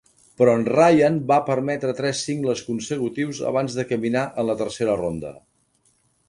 Però en Ryan va permetre tres singles consecutius abans de caminar en la tercera ronda.